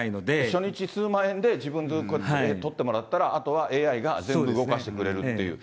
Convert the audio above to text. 初日数万円で自分がちょっと撮ってもらったらあとはＡＩが全部動かしてくれるという。